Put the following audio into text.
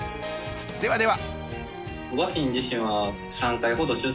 ではでは。